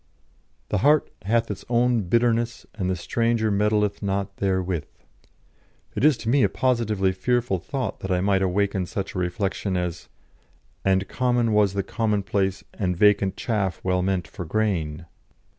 'The heart hath its own bitterness, and the stranger meddleth not therewith.' It is to me a positively fearful thought that I might awaken such a reflection as "'And common was the commonplace, And vacant chaff well meant for grain.'